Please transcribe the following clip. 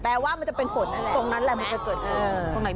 ว่ามันจะเป็นฝนนั่นแหละตรงนั้นแหละมันจะเกิดขึ้นตรงไหน